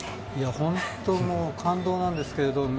本当、感動なんですけどね。